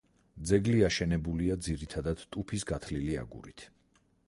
ძეგლი აშენებულია ძირითადად ტუფის გათლილი აგურით.